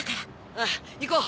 ああ行こう。